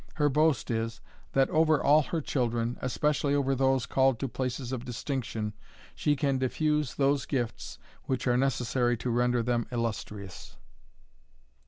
Her boast is, that over all her children, especially over those called to places of distinction, she can diffuse those gifts which are necessary to render them illustrious."